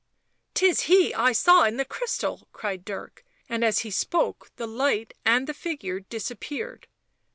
" 'Tis he I saw in the crystal !" cried Dirk, and as he spoke the light and the figure disappeared.